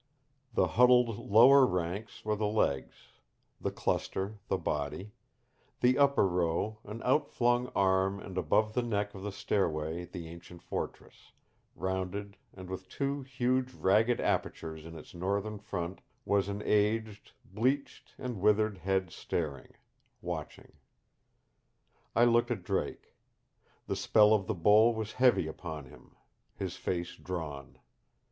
The huddled lower ranks were the legs, the cluster the body, the upper row an outflung arm and above the neck of the stairway the ancient fortress, rounded and with two huge ragged apertures in its northern front was an aged, bleached and withered head staring, watching. I looked at Drake the spell of the bowl was heavy upon him, his face drawn.